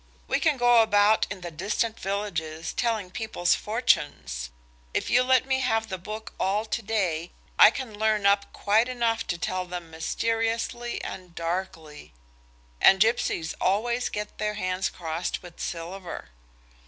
We can go about in the distant villages telling people's fortunes. If you'll let me have the book all to day I can learn up quite enough to tell them mysteriously and darkly. And gipsies always get their hands crossed with silver."